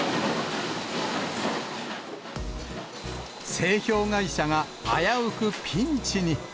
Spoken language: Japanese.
製氷会社が危うくピンチに。